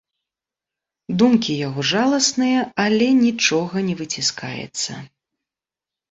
Думкі яго жаласныя, але нічога не выціскаецца.